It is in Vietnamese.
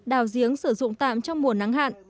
đào giếng sử dụng tạm trong mùa nắng hạn